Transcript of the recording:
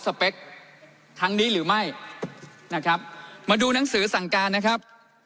เปคครั้งนี้หรือไม่นะครับมาดูหนังสือสั่งการนะครับ